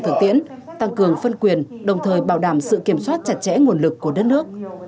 thực tiễn tăng cường phân quyền đồng thời bảo đảm sự kiểm soát chặt chẽ nguồn lực của đất nước